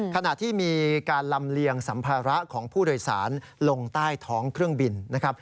ขณะที่มีการลำเลียงสัมภาระของผู้โดยสารลงใต้ท้องเครื่องบินนะครับ